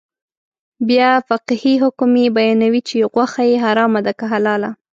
بیا فقهي حکم یې بیانوي چې غوښه یې حرامه ده که حلاله.